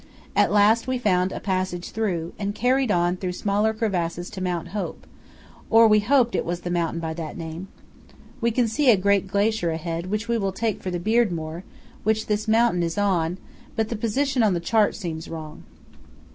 At last we found a passage through, and carried on through smaller crevasses to Mount Hope, or we hoped it was the mountain by that name. We can see a great glacier ahead which we take for the Beardmore, which this mountain is on, but the position on the chart seems wrong.